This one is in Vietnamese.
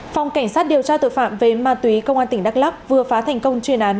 phòng cảnh sát điều tra tội phạm về ma túy công an tỉnh đắk lắc vừa phá thành công chuyên án